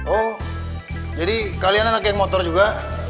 oh jadi kalian anak yang motor juga